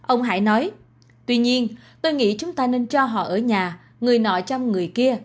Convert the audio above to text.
ông hải nói tuy nhiên tôi nghĩ chúng ta nên cho họ ở nhà người nọ chăm người kia